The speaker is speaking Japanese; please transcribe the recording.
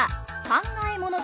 考え物？え？